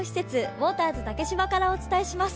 ウォーターズ竹芝からお送りします。